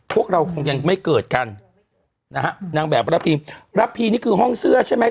พวกเราคงยังไม่เกิดกันนะฮะนางแบบระพีระพีนี่คือห้องเสื้อใช่ไหม